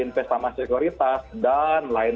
investama sekuritas dan lain